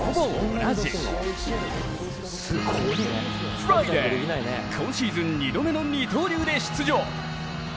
フライデー今シーズン、２度目の二刀流で出場。